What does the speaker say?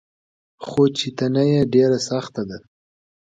خو چي ته نه يي ډيره سخته ده